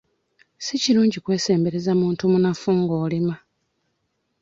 Si kirungi kwesembereza muntu munnafu ng'olima